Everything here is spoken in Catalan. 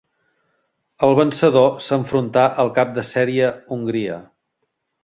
El vencedor s'enfrontà al cap de sèrie Hongria.